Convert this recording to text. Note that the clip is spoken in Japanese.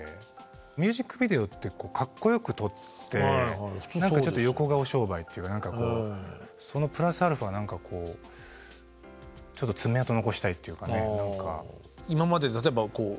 ミュージックビデオってかっこよく撮ってちょっと横顔商売っていうか何かこうそのプラスアルファ何かこうちょっと爪痕残したいっていうかね何か。